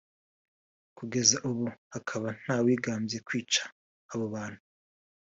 kugeza ubu hakaba ntawigambye kwica abo bantu